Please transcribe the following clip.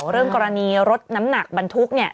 เรื่องกรณีรถน้ำหนักบรรทุก